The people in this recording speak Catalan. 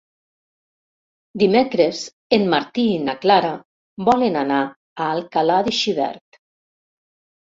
Dimecres en Martí i na Clara volen anar a Alcalà de Xivert.